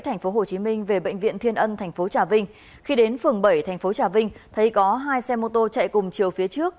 tp hcm về bệnh viện thiên ân tp trà vinh khi đến phường bảy thành phố trà vinh thấy có hai xe mô tô chạy cùng chiều phía trước